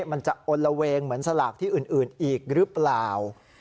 มันจะอลละเวงเหมือนสลากที่อื่นอีกหรือเปล่า